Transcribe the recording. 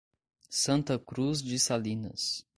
Santa Cruz de Salinas